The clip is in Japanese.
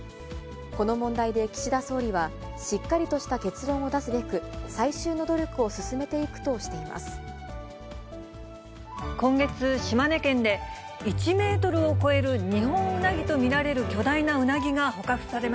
この問題で岸田総理は、しっかりとした結論を出すべく、最終の努今月、島根県で、１メートルを超えるニホンウナギと見られる巨大なウナギが捕獲さ